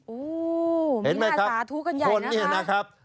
โอ้โฮมีหน้าสาธุกันใหญ่นะฮะเห็นไหมครับคนนี่นะครับ